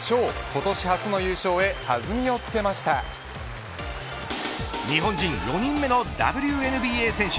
今年初の優勝へ日本人４人目のＷＮＢＡ選手